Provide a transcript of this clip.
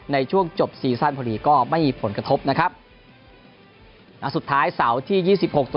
ในช่วงจบซีซั่นคนหรี่ก็ไม่พ้นกระทบนะครับนะสุดท้ายเสาที่ยี่สิบหกศาลาคม